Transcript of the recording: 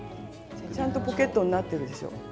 ちゃんとポケットになってるでしょ。